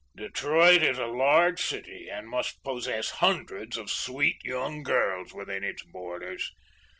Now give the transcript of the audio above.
"Detroit is a large city and must possess hundreds of sweet young girls within its borders.